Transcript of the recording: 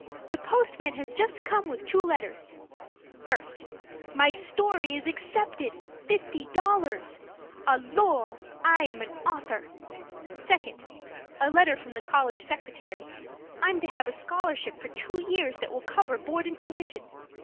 The postman has just come with two letters. 1st. My story is accepted. $50. ALORS! I'm an AUTHOR. 2nd. A letter from the college secretary. I'm to have a scholarship for two years that will cover board and tuition.